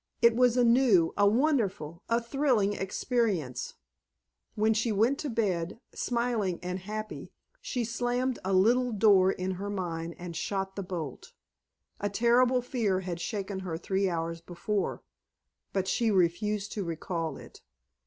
It was a new, a wonderful, a thrilling experience. When she went to bed, smiling and happy, she slammed a little door in her mind and shot the bolt. A terrible fear had shaken her three hours before, but she refused to recall it.